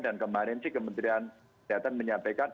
dan kemarin sih kementerian kesehatan menyampaikan